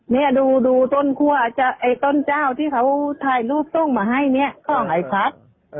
เนี่ยดูต้นครัวจะไอต้นเจ้าที่เขาไทยลูกต้นมาให้เนี่ยของไอพัค